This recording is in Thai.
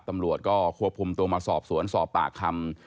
ตำรวจก็ควบคุมตัวมาสอบสวนสอบปากคำ